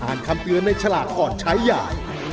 คำเตือนในฉลากก่อนใช้ใหญ่